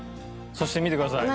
そして見てください。